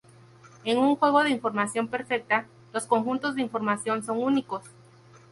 En un juego de información perfecta, los conjuntos de información son únicos.